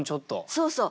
そうそう。